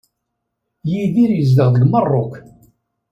Yidir yezdeɣ deg Meṛṛuk.